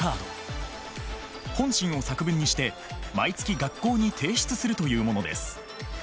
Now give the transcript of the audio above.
本心を作文にして毎月学校に提出するというものです。